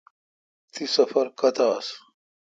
تی سفر کوتھ آس۔